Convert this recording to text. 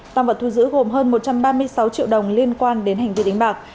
tăng vật thu giữ gồm hơn một trăm ba mươi sáu triệu đồng liên quan đến hành vi đánh bạc